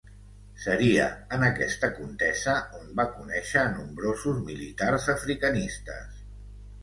Seria en aquesta contesa on va conèixer a nombrosos militars africanistes.